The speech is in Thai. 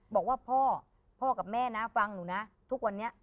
บอกว่าพ่อพ่อกับแม่นะฟังหนูนะทุกวันนี้